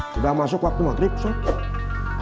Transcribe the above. sudah masuk waktu maghrib